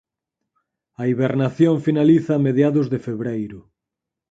A hibernación finaliza a mediados de febreiro.